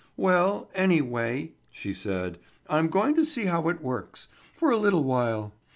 "Well—anyway—," she said, "I'm going to see how it works—for a little while.